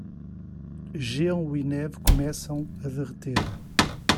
Gelo e neve começam a derreter